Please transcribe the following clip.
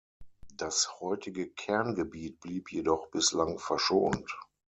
Das heutige Kerngebiet blieb jedoch bislang verschont.